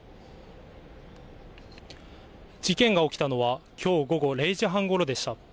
事件が起きたのは、きょう午後０時半ごろでした。